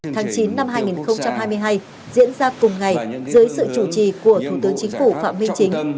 tháng chín năm hai nghìn hai mươi hai diễn ra cùng ngày dưới sự chủ trì của thủ tướng chính phủ phạm minh chính